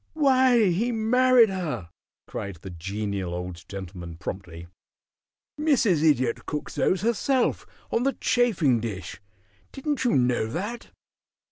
"Why, he married her!" cried the Genial Old Gentleman, promptly. "Mrs. Idiot cooks those herself, on the chafing dish. Didn't you know that?"